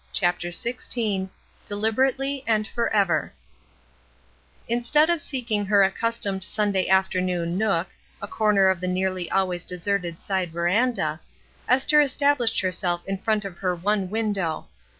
CHAPTER XVI "deliberately, and forever INSTEAD of seeking her accustomed Sun day afternoon nook, a corner of the nearly always deserted side veranda, Esther es tablished herself in front of her one window.